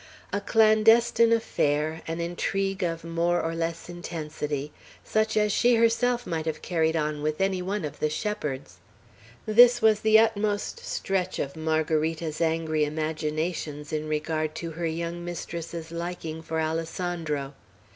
A clandestine affair, an intrigue of more or less intensity, such as she herself might have carried on with any one of the shepherds, this was the utmost stretch of Margarita's angry imaginations in regard to her young mistress's liking for Alessandro.